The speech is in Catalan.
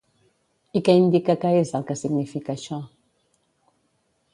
I què indica que és el que significa això?